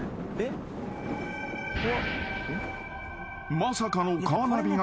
［まさかのカーナビが故障。